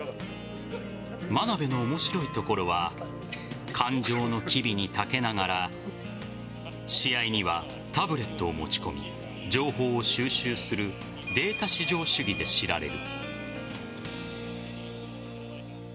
眞鍋の面白いところは感情の機微に長けながら試合にはタブレットを持ち込み情報を収集するデータ至上主義で知られる。